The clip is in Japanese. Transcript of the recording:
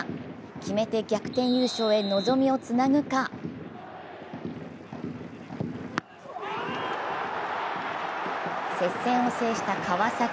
決めて逆転優勝へ望みをつなぐか接戦を制した川崎。